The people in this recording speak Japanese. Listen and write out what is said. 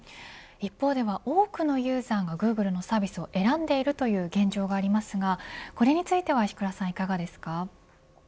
一方では、多くのユーザーがグーグルのサービスを選んでいるという現状がありますがこれについては石倉さん、いかがですか。